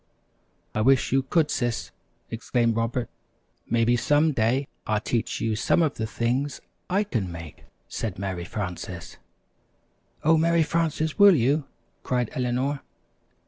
"I wish you could, Sis," exclaimed Robert. "Maybe some day I'll teach you some of the things I can make," said Mary Frances. "Oh, Mary Frances, will you?" cried Eleanor.